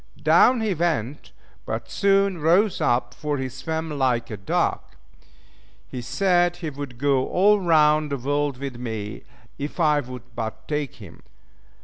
Down he went! but soon rose up, for he swam like a duck. He said he would go all round the world with me, if I would but take him in.